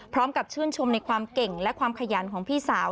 พร้อมกับชื่นชมในความเก่งและความขยันของพี่สาว